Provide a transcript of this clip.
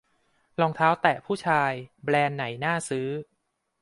รองเท้าแตะผู้ชาย แบรนด์ไหนน่าซื้อ